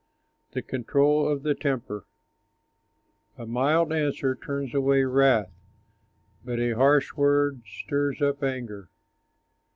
THE CONTROL OF THE TEMPER A mild answer turns away wrath, But a harsh word stirs up anger.